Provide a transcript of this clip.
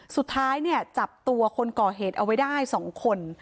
สุดท้ายเนี่ยจับตัวคนก่อเหตุเอาไว้ได้๒คน